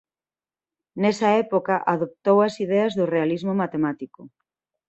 Nesa época adoptou as ideas do realismo matemático.